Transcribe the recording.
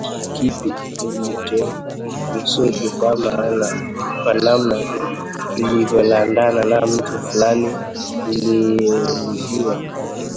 Kipo nilichokihusudu kwa namna kilivyolandana na mtu fulani niliyemjua